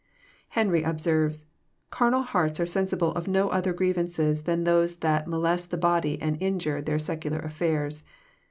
Henry observes: << Carnal hearts are sensible of no other grievances than those that molest the body and injure their sec ular affairs.